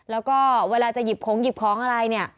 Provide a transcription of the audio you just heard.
แล้วก็เวลาจะหยิบของหยิบของอะไรเนี่ย